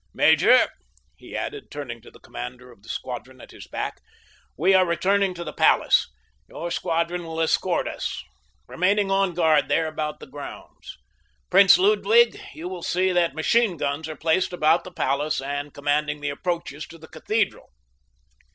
"Major," he added, turning to the commander of the squadron at his back, "we are returning to the palace. Your squadron will escort us, remaining on guard there about the grounds. Prince Ludwig, you will see that machine guns are placed about the palace and commanding the approaches to the cathedral."